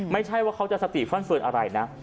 ไม่ใช่ว่าเขาจะสติฟันเฟิร์นอะไรนะ